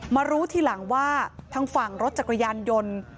มารู้ทีหลังว่าทางฝั่งรถจักรยานยนต์